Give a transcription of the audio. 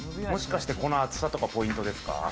もしかして厚さとかポイントですか？